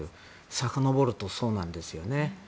さかのぼるとそうなんですよね。